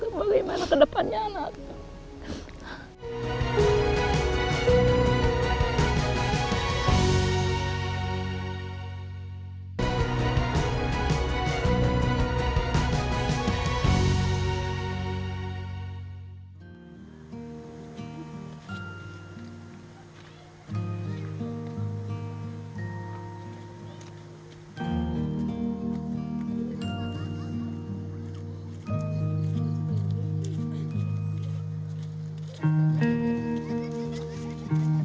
mulia sedang di rapid reap